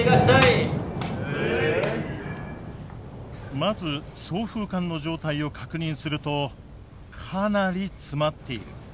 まず送風管の状態を確認するとかなり詰まっている。